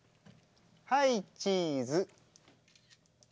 はいチーズ。